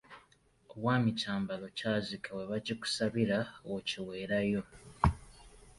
Obwami kyambalo kyazike we bakikusabira w’okiweerayo.